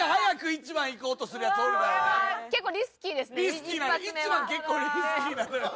１番結構リスキーなのよ。